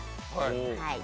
はい。